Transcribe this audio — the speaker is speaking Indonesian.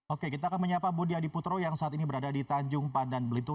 oke kita akan menyapa budi adiputro yang saat ini berada di tanjung pandan belitung